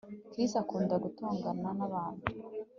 Chris akunda gutongana nabantu